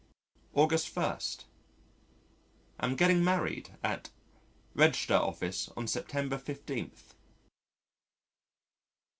August 1. Am getting married at Register Office on September 15th.